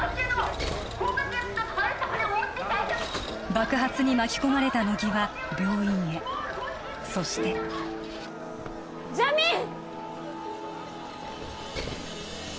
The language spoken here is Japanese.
爆発に巻き込まれた乃木は病院へそしてジャミーン！